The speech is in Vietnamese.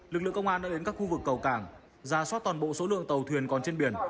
lực lượng công an đã đến các khu vực cầu cảng ra soát toàn bộ số lượng tàu thuyền còn trên biển